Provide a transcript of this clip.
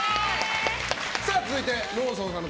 続いて、ローソンさんの